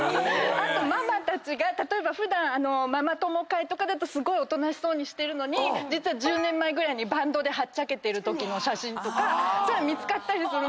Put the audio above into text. あとママたちが例えば普段ママ友会とかだとおとなしそうにしてるのに実は１０年前ぐらいにバンドではっちゃけてるときの写真とかそういうのが見つかったりする。